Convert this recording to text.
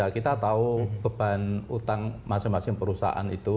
kita tahu beban utang masing masing perusahaan itu